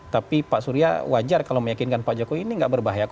tapi pak surya wajar kalau meyakinkan pak jokowi ini tidak berbahaya